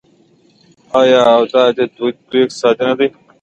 آیا او دا دی د دوی اقتصاد نه دی؟